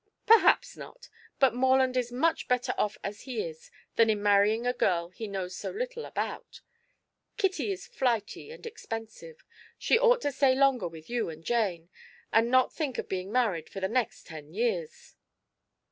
"Perhaps not, but Morland is much better off as he is than in marrying a girl he knows so little about. Kitty is flighty and expensive; she ought to stay longer with you and Jane, and not think of being married for the next ten years."